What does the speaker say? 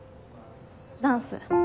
ダンス。